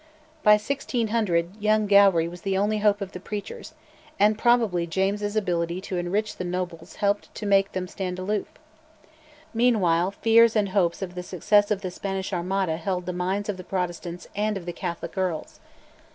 By 1600 young Gowrie was the only hope of the preachers, and probably James's ability to enrich the nobles helped to make them stand aloof. Meanwhile, fears and hopes of the success of the Spanish Armada held the minds of the Protestants and of the Catholic earls.